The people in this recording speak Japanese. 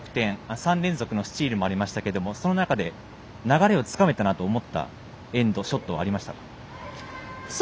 ３連続のスチールもありましたけどその中で流れをつかめたなと思ったエンドショットはありましたか？